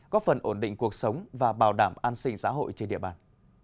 góp phần ổn định cuộc sống và bảo đảm an sinh xã hội trên địa bàn